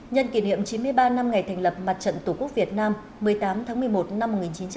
nhân kỷ niệm chín mươi ba năm ngày thành lập mặt trận tổ quốc việt nam một mươi tám tháng một mươi một năm một nghìn chín trăm ba mươi